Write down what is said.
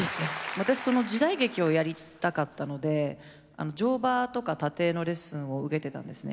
私時代劇をやりたかったので乗馬とか殺陣のレッスンを受けてたんですね